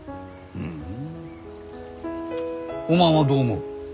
ふんおまんはどう思う？